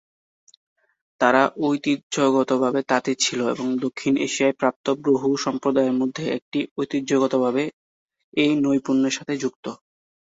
তারা ঐতিহ্যগতভাবে তাঁতি ছিল, এবং দক্ষিণ এশিয়ায় প্রাপ্ত বহু সম্প্রদায়ের মধ্যে একটি, ঐতিহ্যগতভাবে এই নৈপুণ্যের সাথে যুক্ত।